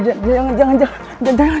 jangan jangan jangan